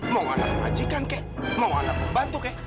mau anak majikan kek mau anak pembantu kek